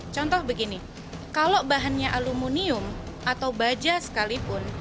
contoh begini kalau bahannya aluminium atau baja sekalipun